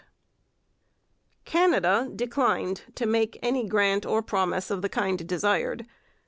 Canada declined to make any grant or promise of the kind desired.